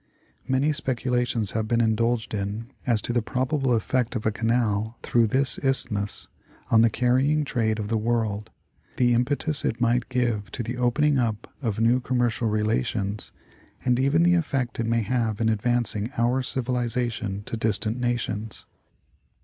Many speculations have been indulged in as to the probable effect of a canal through this Isthmus on the carrying trade of the world, the impetus it might give to the opening up of new commercial relations, and even the effect it may have in advanc ing our civilization to distant nations.